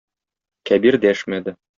Кәбир дәшмәде.